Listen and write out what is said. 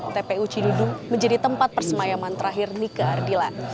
tpu ciludu menjadi tempat persemayaman terakhir nika ardila